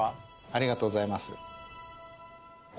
ありがとうございます。